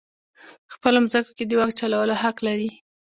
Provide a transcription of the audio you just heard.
په خپلو مځکو کې د واک چلولو حق لري.